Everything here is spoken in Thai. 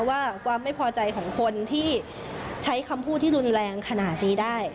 ว่าความไม่พอใจของคนที่ใช้คำพูดที่รุนแรงขนาดนี้ได้